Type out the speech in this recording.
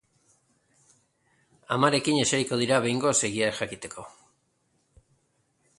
Amarekin eseriko dira behingoz egia jakiteko.